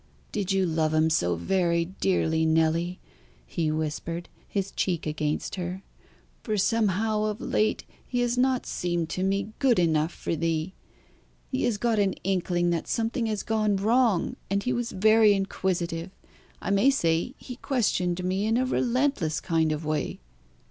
"Did you love him so very dearly, Nelly?" he whispered, his cheek against her: "for somehow of late he has not seemed to me good enough for thee. He has got an inkling that something has gone wrong, and he was very inquisitive I may say he questioned me in a relentless kind of way."